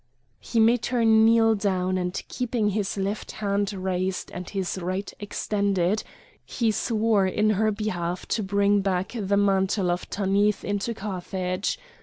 He made her kneel down, and keeping his left hand raised and his right extended, he swore in her behalf to bring back the mantle of Tanith into Carthage.